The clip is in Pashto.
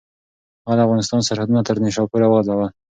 هغه د افغانستان سرحدونه تر نیشاپوره وغځول.